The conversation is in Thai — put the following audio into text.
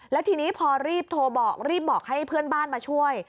แล้วทีนี้พอรีบโทรบอกรีบบอกให้เพื่อนบ้านมาช่วย